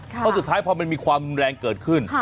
ก็สุดท้ายพอมันมีความแรงเกิดขึ้น